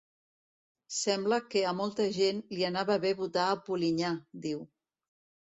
Sembla que a molta gent li anava bé votar a Polinyà, diu.